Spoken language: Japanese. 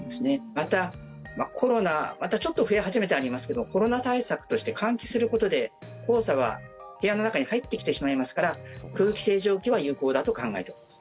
また、コロナまたちょっと増え始めてはいますけどもコロナ対策として換気することで黄砂は部屋の中に入ってきてしまいますから空気清浄機は有効だと考えています。